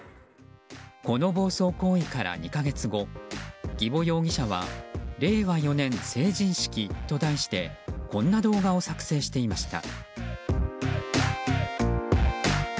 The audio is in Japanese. この暴走行為から２か月後儀保容疑者は令和４年成人式と題してこんな動画を作成していました。